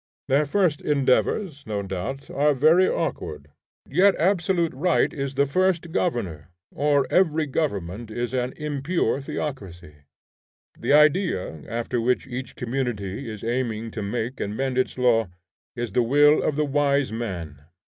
Their first endeavors, no doubt, are very awkward. Yet absolute right is the first governor; or, every government is an impure theocracy. The idea after which each community is aiming to make and mend its law, is the will of the wise man.